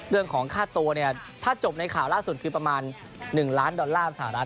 เรื่องของค่าตัวเนี่ยถ้าจบในข่าวล่าสุดคือประมาณ๑ล้านดอลลาร์สหรัฐ